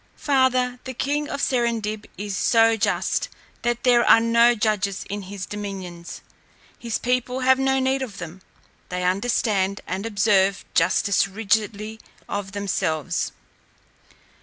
"Farther, the king of Serendib is so just, that there are no judges in his dominions. His people have no need of them. They understand and observe justice rigidly of themselves."